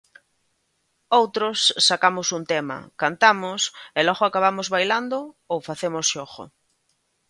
Outros sacamos un tema, cantamos e logo acabamos bailando ou facemos xogo.